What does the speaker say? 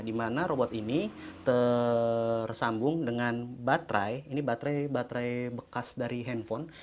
di mana robot ini tersambung dengan baterai ini baterai baterai bekas dari handphone